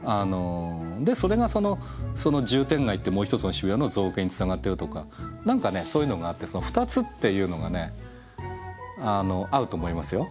でそれがその渋天街ってもう一つの渋谷の造形につながってるとか何かねそういうのがあってその２つっていうのがね合うと思いますよ。